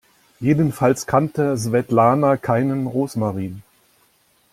Jedenfalls kannte Svetlana keinen Rosmarin.